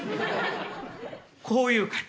こういう感じ。